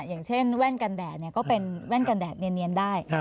อย่างเช่นแว่นกันแดดก็เป็นแว่นกันแดดเนียนได้